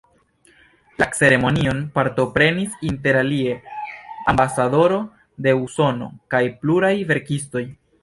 La ceremonion partoprenis interalie ambasadoro de Usono kaj pluraj verkistoj.